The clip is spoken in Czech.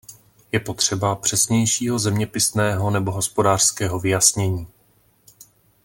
Je potřeba přesnějšího zeměpisného nebo hospodářského vyjasnění.